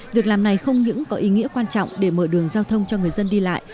việc làm này không những có ý nghĩa quan trọng để mở đường giao thông cho người dân đi lại